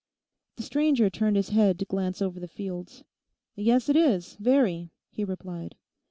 The stranger turned his head to glance over the fields. 'Yes, it is, very,' he replied.